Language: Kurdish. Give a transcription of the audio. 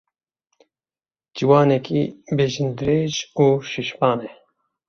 Ciwanekî bejindirêj û şîşman e.